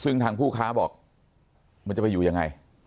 ซึ่งทางผู้ค้าบอกมันจะไปอยู่ยังไง